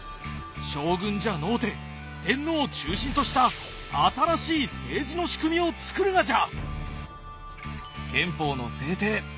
将軍じゃのうて天皇を中心とした新しい政治の仕組みを作るがじゃ！